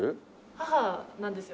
母なんですよ。